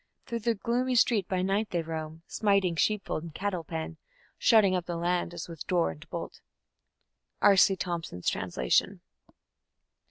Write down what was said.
Through the gloomy street by night they roam, Smiting sheepfold and cattle pen, Shutting up the land as with door and bolt. _R.C. Thompson's Translation.